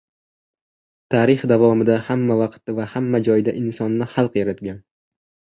Tarix davomida hammavaqt va hamma joyda insonni xalq yaratgan.